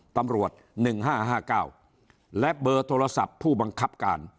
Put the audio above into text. ๑๕๕๙และเบอร์โทรศัพท์ผู้บังคับการ